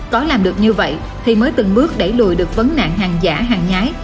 có làm được như vậy thì mới từng bước đẩy lùi được vấn nạn hàng giả hàng nhái